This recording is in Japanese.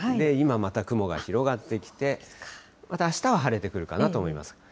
今また雲が広がってきて、またあしたは晴れてくるかなと思います。